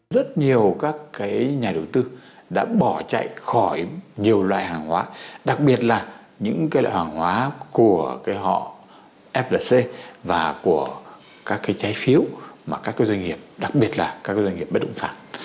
rất nhiều các nhà đầu tư đã bỏ chạy khỏi nhiều loại hàng hóa đặc biệt là những loại hàng hóa của họ flc và của các cái trái phiếu mà các doanh nghiệp đặc biệt là các doanh nghiệp bất động sản